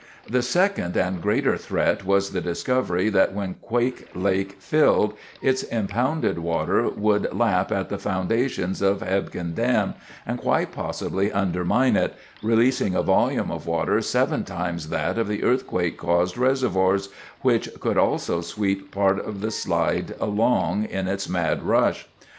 ] The second and greater threat was the discovery that when Quake Lake filled, its impounded water would lap at the foundations of Hebgen Dam, and quite possibly undermine it, releasing a volume of water seven times that of the earthquake caused reservoirs, which could also sweep part of the slide along in its mad rush.